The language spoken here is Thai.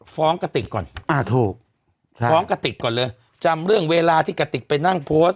กระติกก่อนอ่าถูกฟ้องกระติกก่อนเลยจำเรื่องเวลาที่กระติกไปนั่งโพสต์